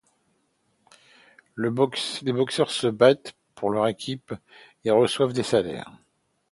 Les boxeurs se battent pour leurs équipes et reçoivent des salaires.